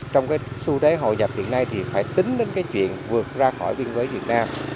trong cái xu đế hội dập hiện nay thì phải tính đến cái chuyện vượt ra khỏi viên vế việt nam